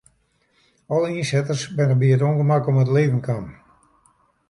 Alle ynsitters binne by it ûngemak om it libben kommen.